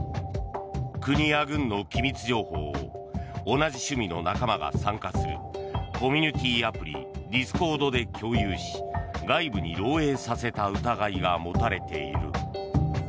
国や軍の機密情報を同じ趣味の仲間が参加するコミュニティーアプリディスコードで共有し外部に漏洩させた疑いが持たれている。